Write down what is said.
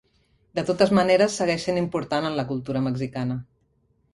De totes maneres, segueix sent important en la cultura mexicana.